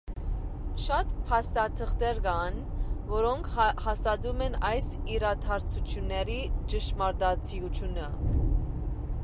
Շատ փաստաթղթեր կան, որոնք հաստատում են այս իրադարձությունների ճշմարտացիությունը։